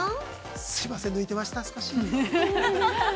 ◆すみません抜いてました、少し。